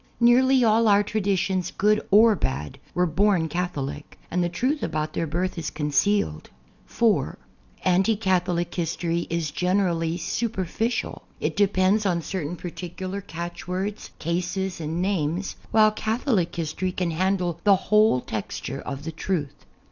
Nearly all our traditions, good or bad, were born Catholic, and the truth about their birth is concealed. (4) Anti Catholic history is generally su|)erficial ; it depends on certain particular catchwords, cases and names, while Catholic history can handle the whole tex ture of the truth.